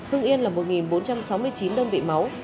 hưng yên là một bốn trăm sáu mươi chín đơn vị máu